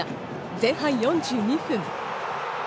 前半４２分。